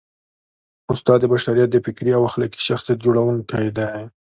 استاد د بشریت د فکري او اخلاقي شخصیت جوړوونکی دی.